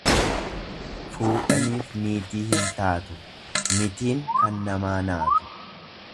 Fuudhaniif niitii hin taatu, nitiin kan namaa naatu.